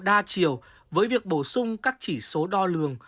giảm nghèo đa chiều với việc bổ sung các chỉ số đo lường